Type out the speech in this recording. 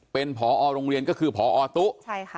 เป็นผอโรงเรียนก็คือพอตุ๊